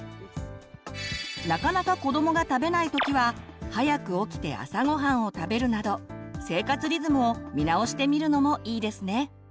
なかなか子どもが食べない時は早く起きて朝ごはんを食べるなど生活リズムを見直してみるのもいいですね。